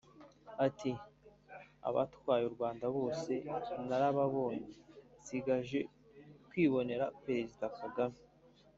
Ati “Abatwaye u Rwanda bose narababonye nsigaje kwibonera Perezida Kagame